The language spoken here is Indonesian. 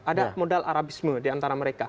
ada modal arabisme diantara mereka